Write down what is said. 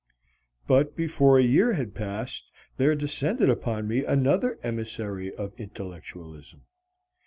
But before a year had passed there descended upon me another emissary of intellectualism.